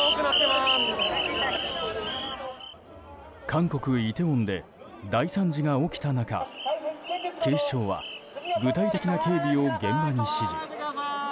韓国イテウォンで大惨事が起きた中警視庁は具体的な警備を現場に指示。